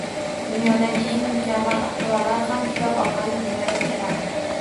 Dunyodagi eng mukammal ixtirolar ham kitob orqali dunyoga keladi